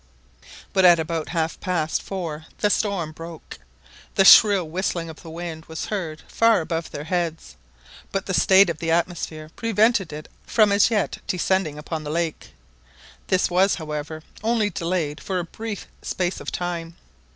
But at about half past four the storm broke. The shrill whistling of the wind was heard far above their heads, but the state of the atmosphere prevented it from as yet descending upon the lake; this was, however, only delayed for a brief space of time.